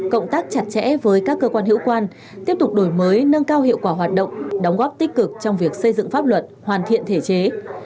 cộng tác chặt chẽ với các cơ quan hữu quan tiếp tục đổi mới nâng cao hiệu quả hoạt động đóng góp tích cực trong việc xây dựng pháp luật hoàn thiện thể chế